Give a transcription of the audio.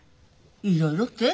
いろいろって？